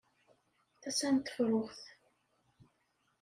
Tasa n tefruxt.